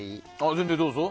全然どうぞ。